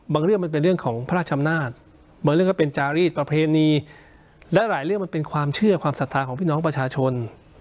เรื่องมันเป็นเรื่องของพระราชอำนาจบางเรื่องก็เป็นจารีสประเพณีและหลายเรื่องมันเป็นความเชื่อความศรัทธาของพี่น้องประชาชน